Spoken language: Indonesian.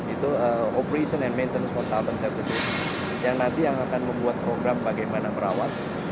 itu operation and maintenance consultant service yang nanti yang akan membuat program bagaimana merawat